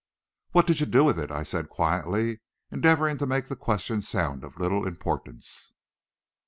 "What did you do with it?" I said quietly, endeavoring to make the question sound of little importance.